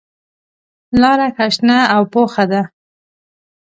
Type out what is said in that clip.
لاره ښه شنه او پوخه ده.